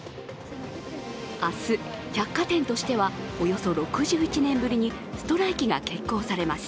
明日、百貨店としてはおよそ６１年ぶりにストライキが決行されます。